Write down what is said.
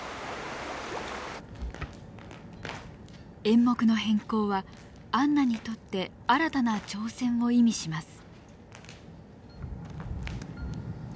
演目の変更はアンナにとって新たな挑戦を意味します。